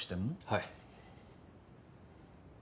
はい。